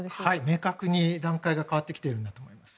明確に段階が変わってきているんだと思います。